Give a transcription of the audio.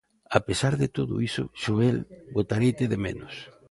A pesar de todo iso, Xoel, botareite de menos.